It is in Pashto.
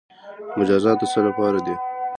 مجازات د څه لپاره دي؟